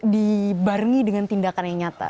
dibarengi dengan tindakan yang nyata